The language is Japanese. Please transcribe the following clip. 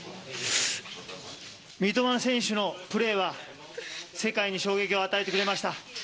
三笘選手のプレーは世界に衝撃を与えてくれました。